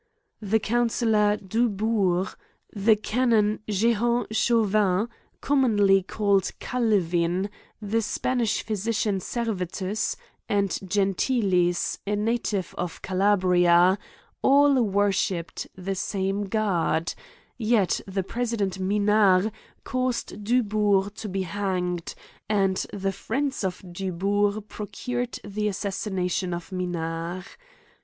The Counsellor Dubourg^ the canon Jehan Chauvin, commonly called Calvin, the Spanish physician Servetus, and Gentilis, a native of Cala bria, all worshipped the same God ; yet the Pre sident 3Iinard cdustd Dubourgtobe hanged, and the friends of Dubourg procured the assassination of Minard.